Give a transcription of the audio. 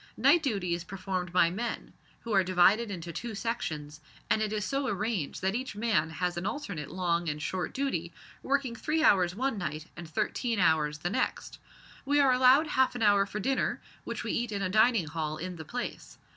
Night duty is performed by men, who are divided into two sections, and it is so arranged that each man has an alternate long and short duty working three hours one night and thirteen hours the next. We are allowed half an hour for dinner, which we eat in a dining hall in the place.